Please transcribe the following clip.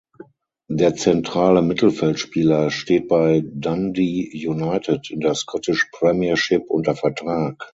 Der zentrale Mittelfeldspieler steht bei Dundee United in der Scottish Premiership unter Vertrag.